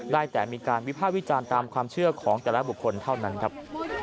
ได้แต่มีการวิภาควิจารณ์ตามความเชื่อของแต่ละบุคคลเท่านั้นครับ